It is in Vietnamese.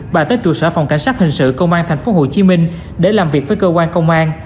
bà tới trụ sở phòng cảnh sát hình sự công an tp hcm để làm việc với cơ quan công an